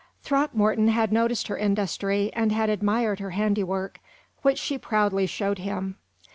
Throckmorton had noticed her industry, and had admired her handiwork, which she proudly showed him.